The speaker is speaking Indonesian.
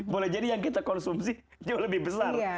boleh jadi yang kita konsumsi jauh lebih besar